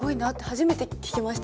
初めて聴きました